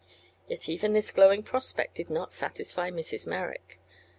Yet even this glowing prospect did not satisfy Mrs. Merrick.